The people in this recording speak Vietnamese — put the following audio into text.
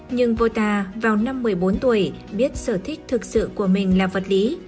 nhưng volta vào năm một mươi bốn tuổi biết sở thích thực sự của mình là vật lý